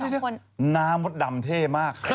เดี๋ยวน้ามดดำเท่มาก